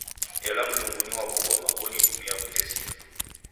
Ela Mlungu ni wa w'ughoma onidumia w'utesia.